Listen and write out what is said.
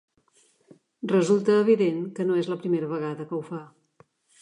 Resulta evident que no és la primera vegada que ho fa.